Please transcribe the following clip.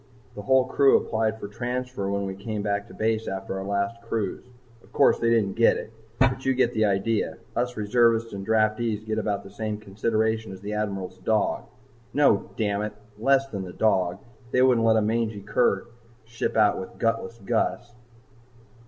"The whole crew applied for transfer when we came back to base after our last cruise. Of course, they didn't get it, but you get the idea. Us reservists and draftees get about the same consideration as the Admiral's dog No! dammit! Less than the dog. They wouldn't let a mangy cur ship out with Gutless Gus."